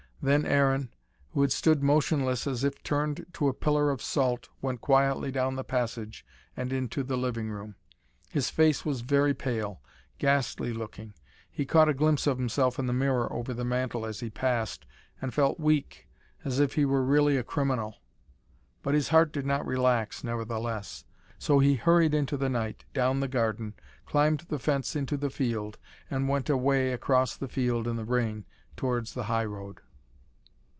Then Aaron, who had stood motionless as if turned to a pillar of salt, went quietly down the passage and into the living room. His face was very pale, ghastly looking. He caught a glimpse of himself in the mirror over the mantel, as he passed, and felt weak, as if he were really a criminal. But his heart did not relax, nevertheless. So he hurried into the night, down the garden, climbed the fence into the field, and went away across the field in the rain, towards the highroad.